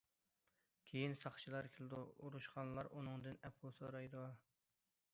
كېيىن ساقچىلار كېلىدۇ، ئۇرۇشقانلار ئۇنىڭدىن ئەپۇ سورايدۇ.